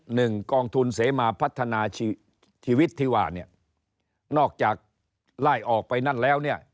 หนึ่งกองทุนเสมาพัฒนาชีวิตที่ว่าเนี่ยนอกจากไล่ออกไปนั่นแล้วเนี่ย